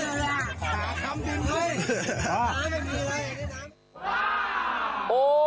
เออเออเออเออเออ